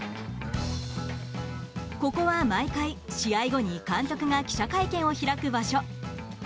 ここは毎回、試合後に監督が記者会見を開く場所。